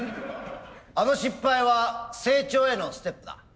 あの失敗は成長へのステップだ。